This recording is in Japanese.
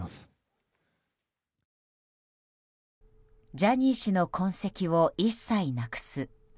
ジャニー氏の痕跡を一切なくす。